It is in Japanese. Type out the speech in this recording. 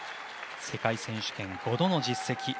世界選手権５度の実績。